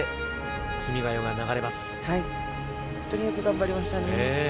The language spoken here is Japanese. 本当によく頑張りましたね。